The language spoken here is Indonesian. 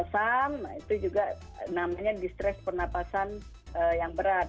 ngos ngos itu juga namanya distres pernapasan yang berat